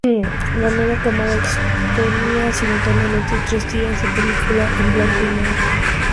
La nueva cámara exponía simultáneamente tres tiras de película en blanco y negro.